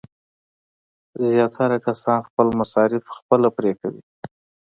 زیاتره کسان خپل مصارف خپله پرې کوي.